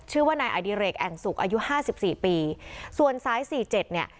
ชื่อว่านายอดิเรกแอ่งสุกอายุ๕๔ปีส่วนซ้าย๔๗เนี่ย